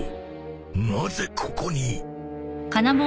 なぜここに！？